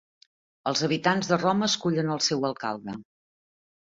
Els habitants de Roma escullen al seu alcalde.